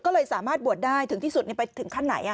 ก็เลยสามารถบวชได้ถึงที่สุดไปถึงขั้นไหน